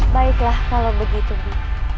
baiklah kalau begitu bibi